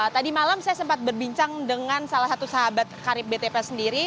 tadi malam saya sempat berbincang dengan salah satu sahabat karib btp sendiri